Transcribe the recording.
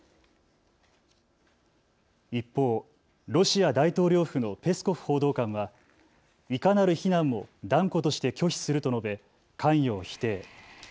一方、ロシア大統領府のペスコフ報道官はいかなる非難も断固として拒否すると述べ関与を否定。